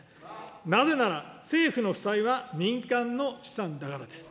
なぜなら、政府の負債は民間の資産だからです。